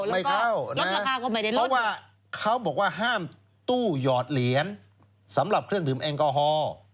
ไม่เข้าเพราะว่าเขาบอกว่าห้ามตู้หยอดเหรียญสำหรับเครื่องดื่มแอลกอฮอล์